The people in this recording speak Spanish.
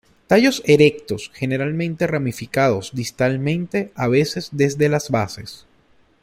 Tallos erectos, generalmente ramificados distalmente, a veces desde las bases.